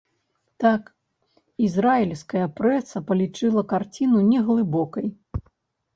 Так, ізраільская прэса палічыла карціну неглыбокай.